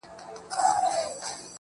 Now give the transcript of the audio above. ورځم د خپل تور سوي زړه په تماشې وځم,